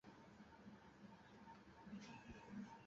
নবীন বললে, খেয়ে বেরোবে না?